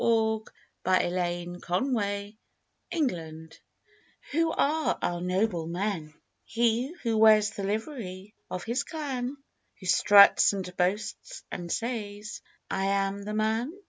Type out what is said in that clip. LIFE WAVES 29 NOBLEMEN Who are our noble men, He who wears the livery of his clan, Who struts and boasts and says, I am the man?